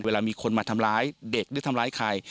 เวลามีคนมาทำร้ายเด็กหรือทำร้ายใคร